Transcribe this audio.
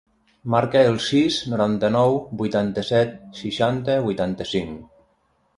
Marca el sis, noranta-nou, vuitanta-set, seixanta, vuitanta-cinc.